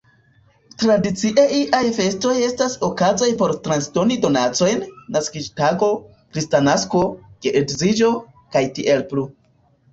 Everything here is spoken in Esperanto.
Tradicie iaj festoj estas okazoj por transdoni donacojn: naskiĝtago, Kristnasko, geedziĝo, kaj tiel plu.